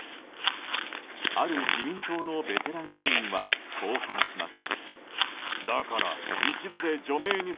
ある自民党のベテラン議員はこう話します。